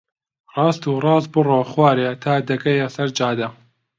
ڕاست و ڕاست بڕۆ خوارێ تا دەگەیە سەر جادە.